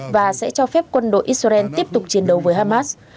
và sẽ cho phép quân đội israel tiếp tục chiến đấu với hamas